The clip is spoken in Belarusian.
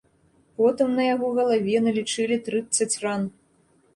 Потым на яго галаве налічылі трыццаць ран.